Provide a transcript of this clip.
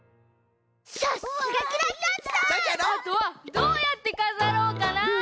あとはどうやってかざろうかな。